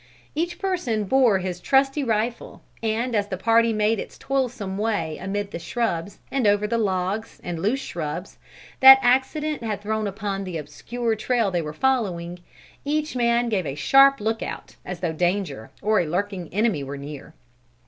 Each person bore his trusty rifle, and as the party made its toilsome way amid the shrubs, and over the logs and loose shrubs, that accident had thrown upon the obscure trail they were following, each man gave a sharp lookout, as though danger, or a lurking enemy were near.